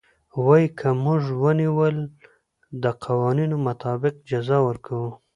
وايي که موږ ونيول د قوانينو مطابق جزا ورکوو.